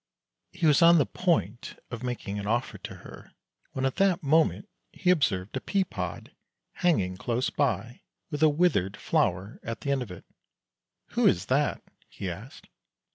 He was on the point of making an offer to her when at that moment he observed a pea pod hanging close by, with a withered flower at the end of it. " Who is that ?" he asked.